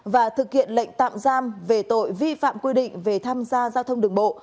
và thực hiện lệnh tạm giam về tội vi phạm quy định về tham gia giao thông đường bộ